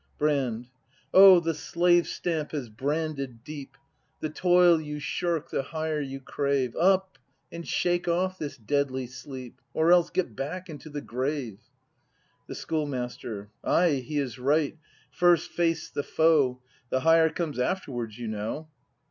Brand. O, the slave stamp has branded deep; The toil you shirk, the hire you crave. Up, and shake off this deadly sleep, — Or else, get back into the grave! The Schoolmaster. Ay, he is right; first face the foe; The hire comes afterwards, you know.